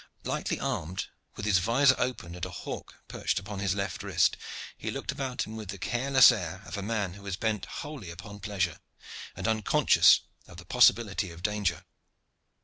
Lightly armed, with his vizor open and a hawk perched upon his left wrist, he looked about him with the careless air of a man who is bent wholly upon pleasure, and unconscious of the possibility of danger.